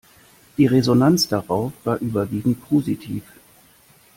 Die Resonanz darauf war überwiegend positiv.